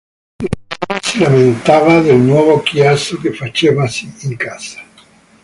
La madre si lamentava del nuovo chiasso che facevasi in casa.